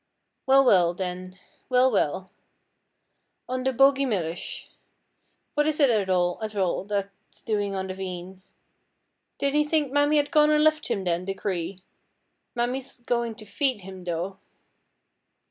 'Well, well then, well, well on the boghee millish. What is it at all, at all, that's doin' on the veen? Did he think Mammy had gone an' left him then, the chree? Mammy is goin' to feed him, though.'